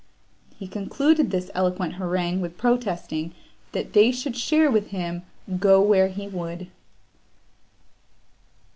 He concluded this eloquent harangue with protesting, that they should share with him, go where he would.